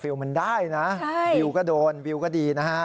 วิวมันได้นะวิวก็โดนวิวก็ดีนะฮะ